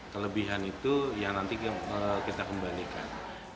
kelebihan itu yang nanti kita kembalikan